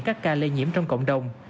các ca lây nhiễm trong cộng đồng